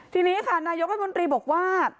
ทีนี้ค่ะนายกรัฐมนตรีบอกว่า